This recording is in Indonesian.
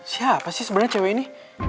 siapa sih sebenarnya cewek ini